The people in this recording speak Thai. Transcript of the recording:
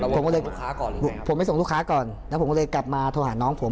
ผมก็เลยผมไปส่งลูกค้าก่อนแล้วผมก็เลยกลับมาโทรหาน้องผม